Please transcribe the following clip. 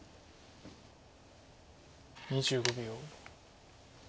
２５秒。